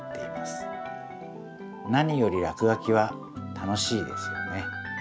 何よりらくがきは楽しいですよね。